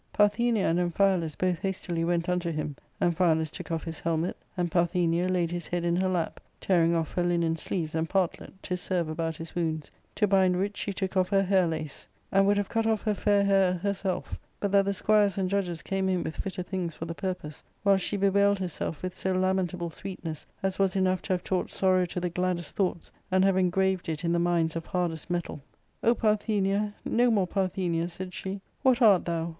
Parthenia and Amphialus both hastily went unto him ; Amphialus took off his helmet, and Parthenia laid his head in her lap, tearing off her linen sleeves and partlet* to serve about his wounds, to bind which she took off her hair lace, and would have cut off her fair hair herself but that the squires and judges came in with fitter things for the purpose, while she bewailed herself with so lamentable sweetness as was enough to have taught sorrow to the gladdest thoughts, and have engraved it in the minds of hardest metal. " O, Parthenia, no more Parthenia," said she, " what art thou